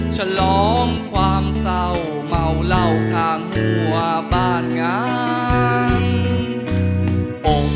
ฉลองความเศร้าเมาเหล้าทางหัวบ้านงาม